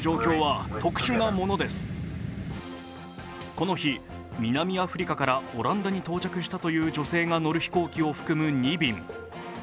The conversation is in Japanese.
この日、南アフリカからオランダに到着したという女性が乗る飛行機を含む２便。